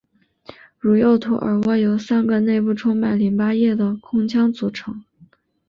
如右图耳蜗由三个内部充满淋巴液的空腔组成。